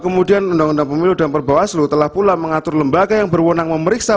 kemudian undang undang pemilu dan perbawaslu telah pula mengatur lembaga yang berwenang memeriksa